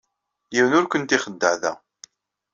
Yiwen ur kent-ixeddeɛ da.